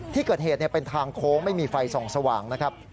ที่เกิดเหตุเป็นทางโค้งไม่มีไฟส่องสว่างนะครับ